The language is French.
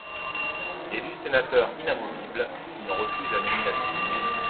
Élu sénateur inamovible, il en refuse la nomination.